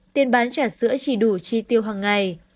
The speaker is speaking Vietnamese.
tiền bán trả sữa chỉ đủ chi tiêu hằng ngày